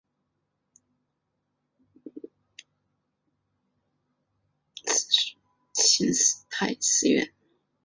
圆照寺是位在日本奈良县奈良市的临济宗妙心寺派寺院。